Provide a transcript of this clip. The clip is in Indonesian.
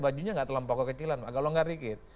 bajunya nggak terlampau kekecilan agak longgar dikit